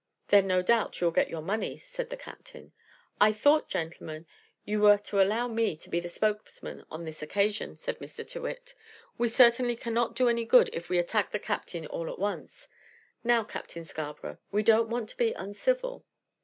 "Then, no doubt, you'll get your money," said the captain. "I thought, gentlemen, you were to allow me to be the spokesman on this occasion," said Mr. Tyrrwhit. "We certainly cannot do any good if we attack the captain all at once. Now, Captain Scarborough, we don't want to be uncivil."